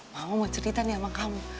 mama mau cerita nih sama kamu